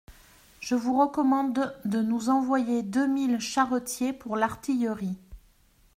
Je vous recommande de nous envoyer deux mille charretiers pour l'artillerie.